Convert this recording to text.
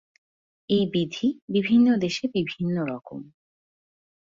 এই বিধি বিভিন্ন দেশে বিভিন্ন রকম।